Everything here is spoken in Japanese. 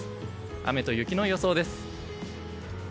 雨と雪の予想です。